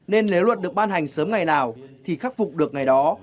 nên nếu luật được ban hành sớm ngày nào thì khắc phục được ngày đó